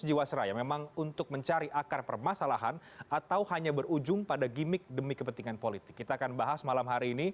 jiwasraya di sisi lain di ranah hukum